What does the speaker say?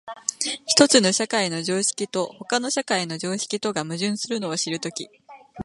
一つの社会の常識と他の社会の常識とが矛盾するのを知るとき、